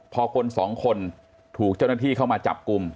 พอคนสองคนถูกเจ้าหน้าที่เข้ามาจับกลุ่ม